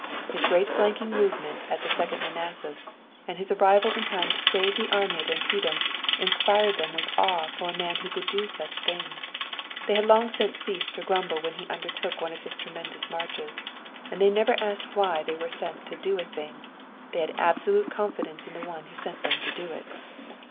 His great flanking movement at the Second Manassas, and his arrival in time to save the army at Antietam, inspired them with awe for a man who could do such things. They had long since ceased to grumble when he undertook one of his tremendous marches, and they never asked why they were sent to do a thing they had absolute confidence in the one who sent them to do it.